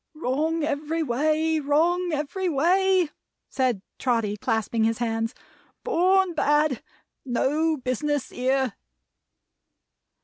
"Wrong every way. Wrong every way!" said Trotty clasping his hands. "Born bad. No business here!"